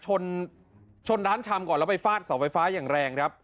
ชนชนร้านชำก่อนแล้วไปฟาดเสาไฟฟ้าอย่างแรงครับ